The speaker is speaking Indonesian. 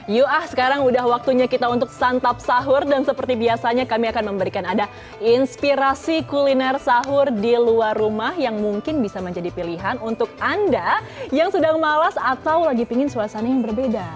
yuk ah sekarang udah waktunya kita untuk santap sahur dan seperti biasanya kami akan memberikan ada inspirasi kuliner sahur di luar rumah yang mungkin bisa menjadi pilihan untuk anda yang sedang malas atau lagi pingin suasana yang berbeda